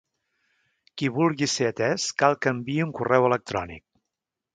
Qui vulgui ser atès, cal que enviï un correu electrònic.